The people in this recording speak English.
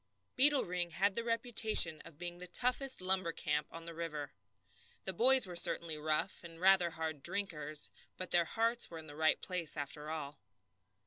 Beetle Ring had the reputation of being the toughest lumber camp on the river. The boys were certainly rough, and rather hard drinkers, but their hearts were in the right place, after all.